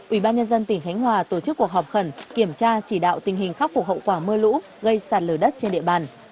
ủy ban nhân dân tỉnh khánh hòa tổ chức cuộc họp khẩn kiểm tra chỉ đạo tình hình khắc phục hậu quả mưa lũ gây sạt lở đất trên địa bàn